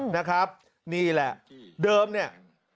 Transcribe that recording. นะครับนี่แหละเดิมเนี่ย